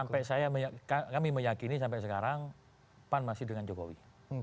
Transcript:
sampai kami meyakini sampai sekarang pan masih dengan jokowi